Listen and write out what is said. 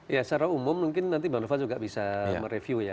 ya secara umum mungkin nanti bang nova juga bisa mereview ya